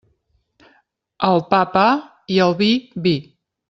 Al pa, pa, i al vi, vi.